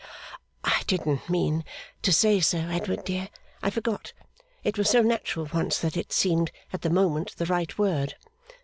'I didn't mean to say so, Edward dear. I forgot. It was so natural once, that it seemed at the moment the right word.